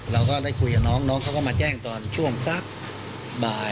เราก็ได้คุยกับน้องเขาก็มาแจ้งตอนช่วงรศักป์